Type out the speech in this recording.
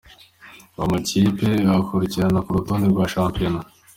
Uko amakipe akurikirana ku rutonde rwa shampiyona